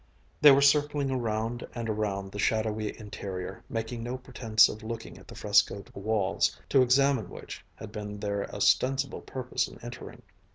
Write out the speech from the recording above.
They were circling around and around the shadowy interior, making no pretense of looking at the frescoed walls, to examine which had been their ostensible purpose in entering.